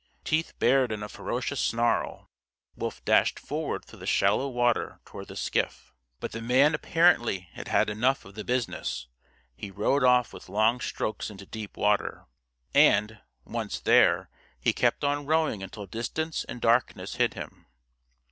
Teeth bared in a ferocious snarl, Wolf dashed forward through the shallow water toward the skiff. But the man apparently had had enough of the business. He rowed off with long strokes into deep water, and, once there, he kept on rowing until distance and darkness hid him.